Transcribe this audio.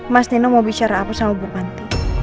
mas nino mau bicara apa sama ibu panti